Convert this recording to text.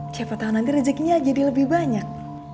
siapa tahan nanti rezekinya jadi lebih banyak